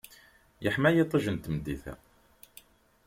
Yeḥma yiṭij n tmeddit-a.